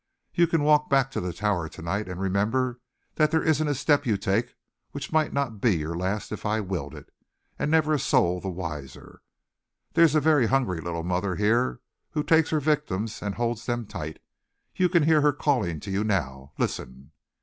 You can walk back to the Tower to night and remember that there isn't a step you take which might not be your last if I willed it, and never a soul the wiser. There's a very hungry little mother here who takes her victims and holds them tight. You can hear her calling to you now. Listen!"